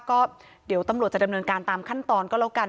ก็เดี๋ยวตำรวจจะดำเนินการตามขั้นตอนก็แล้วกัน